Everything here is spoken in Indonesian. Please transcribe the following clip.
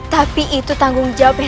tapi itu tanggung jawabnya